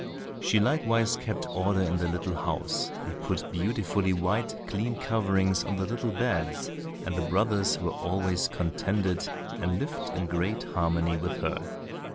She likewise kept order in the little house, and put beautifully white clean coverings on the little beds, and the brothers were always contented and lived in great harmony with her.